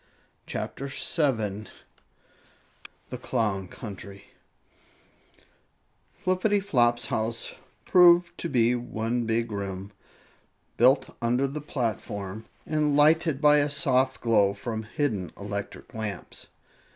CHAPTER 7 THE CLOWN COUNTRY Flippityflop's house proved to be one big room, built under the platform, and lighted by a soft glow from hidden electric lamps.